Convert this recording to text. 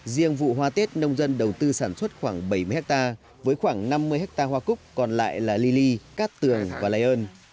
riêng vụ hoa tết nông dân đầu tư sản xuất khoảng bảy mươi hecta với khoảng năm mươi hecta hoa cúp còn lại là lili cát tường và lai ơn